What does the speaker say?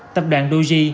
tập đoàn doji